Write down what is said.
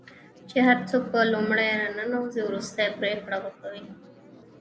هر څوک چې لومړی راننوځي وروستۍ پرېکړه به هغه کوي.